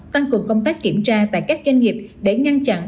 tăng cường công tác kiểm tra tại các doanh nghiệp để ngăn chặn